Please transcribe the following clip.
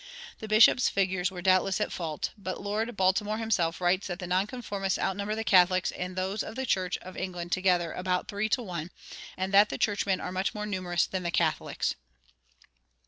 The bishop's figures were doubtless at fault; but Lord Baltimore himself writes that the nonconformists outnumber the Catholics and those of the Church of England together about three to one, and that the churchmen are much more numerous than the Catholics.